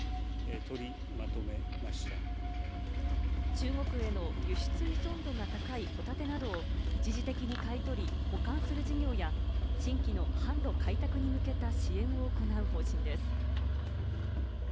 中国への輸出依存度が高いホタテなどを一時的に買い取り保管する事業や新規の販路開拓に向けた支援を行う方針です。